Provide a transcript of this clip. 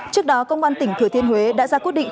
trước đó công an tỉnh thừa thiên huế đã ra quyết định